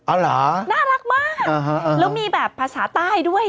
เอาเหรออ๋อแล้วมีแบบภาษาใต้ด้วย